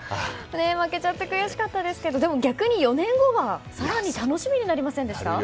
負けちゃって悔しかったですけど逆に４年後が更に楽しみなりませんでした。